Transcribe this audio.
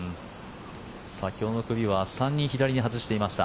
先ほどの組は３人、左に外していました。